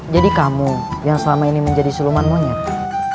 jadi kamu yang selama ini menjadi seluman monyet